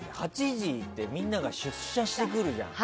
８時ってみんなが出社してくるじゃん。